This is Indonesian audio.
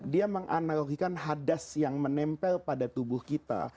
dia menganalogikan hadas yang menempel pada tubuh kita